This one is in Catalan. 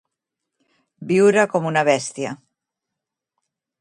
Viure com una bèstia.